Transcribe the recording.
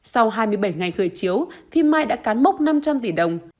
sau hai mươi bảy ngày khởi chiếu phim mai đã cán mốc năm trăm linh tỷ đồng